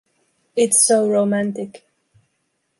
It’s so romantic.